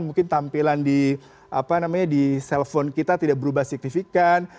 mungkin tampilan di apa namanya di cellphone kita tidak berubah signifikan